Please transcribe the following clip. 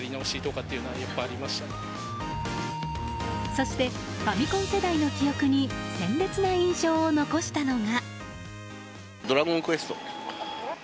そしてファミコン世代の記憶に鮮烈な印象を残したのが。